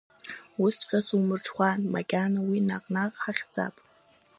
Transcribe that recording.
Усҵәҟьа сумырҽхәан макьана, уи наҟ-наҟ ҳахьӡап!